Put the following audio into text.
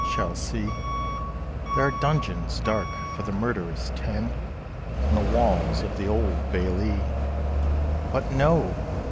shall see There are dungeons dark for the murderous ten, In the walls of the Old Bailee! But no!